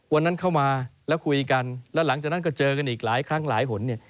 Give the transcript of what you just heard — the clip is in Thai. วันนั้นเข้ามาแล้วคุยกันแล้วหลังจากนั้นก็เจอกันอีกหลายครั้งหลายหนเนี่ย